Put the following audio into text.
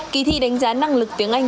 kỳ thi đánh giá năng lực tiếng anh